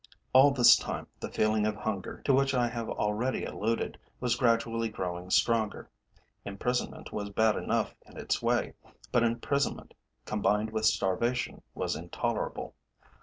All this time the feeling of hunger, to which I have already alluded, was gradually growing stronger; imprisonment was bad enough in its way, but imprisonment combined with starvation was intolerable.